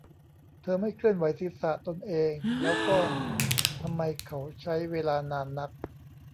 เธอไม่เคลื่อนไหวศีรษะตนเอง แล้วก็ ทำไมเขาใช้เวลานานนัก